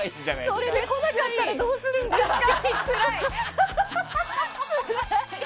それで来なかったらどうするんですか。